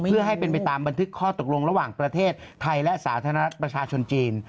เพื่อให้เป็นไปตามบันทึกข้อตกลงระหว่างประเทศไทยและสาธารณะประชาชนจีน